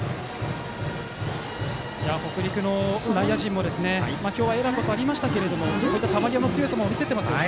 北陸の内野陣も今日はエラーこそありましたがこういった球際の強さも見せていますね。